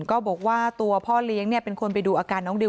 ก็บอกว่าตัวพ่อเลี้ยงเป็นคนไปดูอาการน้องดิว